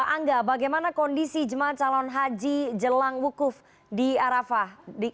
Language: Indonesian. angga bagaimana kondisi jemaah calon haji jelang wukuf di arafah